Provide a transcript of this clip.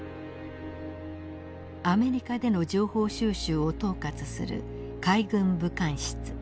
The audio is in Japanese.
アメリカでの情報収集を統括する海軍武官室。